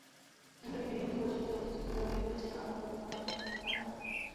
Antony Firingee পরিচালিত চলচ্চিত্রটিতে অভিনয় করেন আরমান পারভেজ মুরাদ এবং তানহা জাফরিন।